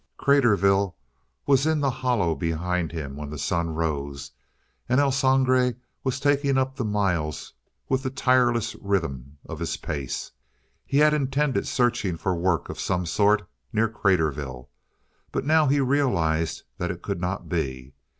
Craterville was in the hollow behind him when the sun rose, and El Sangre was taking up the miles with the tireless rhythm of his pace. He had intended searching for work of some sort near Craterville, but now he realized that it could not be.